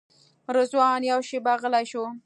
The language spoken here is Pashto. رضوان یوه شېبه غلی شو.